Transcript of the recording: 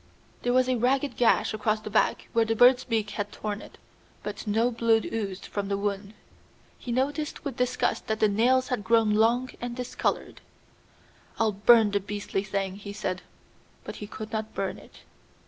There was a ragged gash across the back where the bird's beak had torn it, but no blood oozed from the wound. He noticed with disgust that the nails had grown long and discolored. "I'll burn the beastly thing," he said. But he could not burn it.